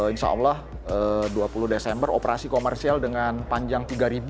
insya allah dua puluh desember operasi komersial dengan panjang dua puluh hari